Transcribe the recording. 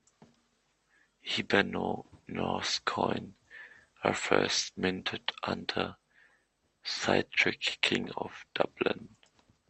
Hiberno-Norse coins were first minted under Sihtric, King of Dublin.